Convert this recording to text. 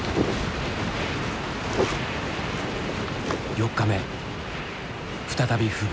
４日目再び吹雪。